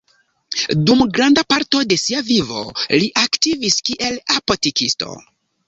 Dum granda parto de sia vivo, li aktivis kiel apotekisto.